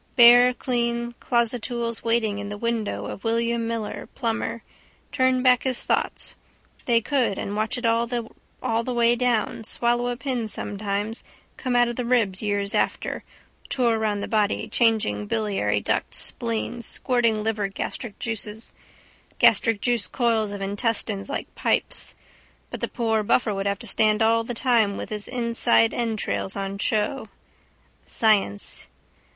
Bare clean closestools waiting in the window of William Miller, plumber, turned back his thoughts. They could: and watch it all the way down, swallow a pin sometimes come out of the ribs years after, tour round the body changing biliary duct spleen squirting liver gastric juice coils of intestines like pipes. But the poor buffer would have to stand all the time with his insides entrails on show. Science.